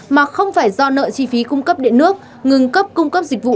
mà không phải do nợ chi phí cung cấp điện nước ngừng cấp cung cấp dịch vụ